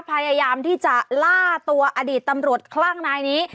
พยายามที่จะล่าตัวอดีตตำรวจคลั่งนายนี้